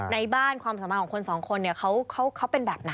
ในบ้านความสามารถของคนสองคนเนี่ยเขาเป็นแบบไหน